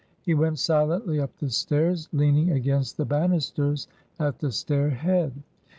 He went silently up the stairs, lean ing against the banisters at the stair head.